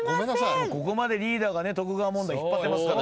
ここまでリーダーが徳川問題引っ張ってますから。